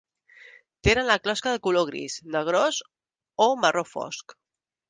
Tenen la closca de color gris, negrós o marró fosc.